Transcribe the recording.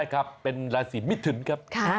ใช่ครับเป็นลาศรีมิถุนครับ